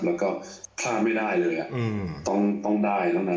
แล้วก็ผ่านไม่ได้เลยอ่ะต้องได้แล้วอ่ะ